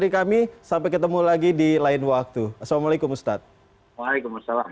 kami sampai ketemu lagi di lain waktu assalamualaikum ustadz waalaikumsalam